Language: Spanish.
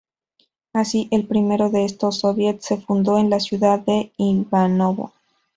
Así, el primero de estos Soviets se fundó en la ciudad de Ivánovo.